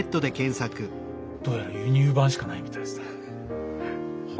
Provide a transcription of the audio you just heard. どうやら輸入盤しかないみたいですね。